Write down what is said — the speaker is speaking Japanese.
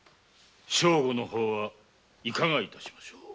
正吾の方はいかが致しましょう。